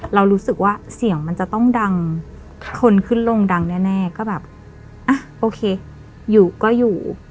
เรารู้สึกว่าเสียงมันจะต้องดังคนขึ้นลงดังแน่ก็แบบอ่ะโอเคอยู่ก็อยู่